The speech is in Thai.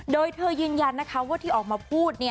โดยเธอยืนยันนะคะว่าที่ออกมาพูด